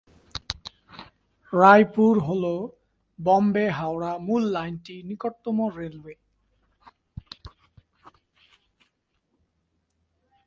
রায়পুর হ'ল বোম্বে-হাওড়া মূল লাইনটি নিকটতম রেলওয়ে।